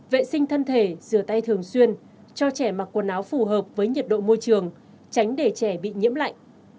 vệ sinh thân thể rửa tay thường xuyên cho trẻ mặc quần áo phù hợp với nhiệt độ môi trường tránh để trẻ bị nhiễm lạnh